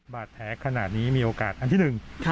บาดแผลขนาดนี้มีโอกาสอันที่หนึ่ง